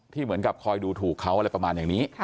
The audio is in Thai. เหมือนกับคอยดูถูกเขาอะไรประมาณอย่างนี้